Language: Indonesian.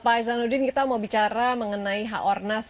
pak isanuddin kita mau bicara mengenai h ornas